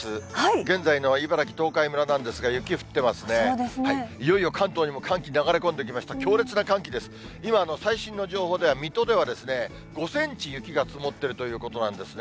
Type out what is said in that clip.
現在の茨城・東海村なんですが、雪降ってますね。